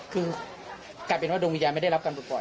คือกลายเป็นว่าดวงวิญญาณไม่ได้รับการปลูกปล